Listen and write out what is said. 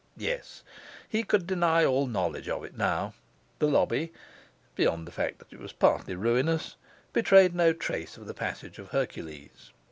Yes, he could deny all knowledge of it now: the lobby, beyond the fact that it was partly ruinous, betrayed no trace of the passage of Hercules.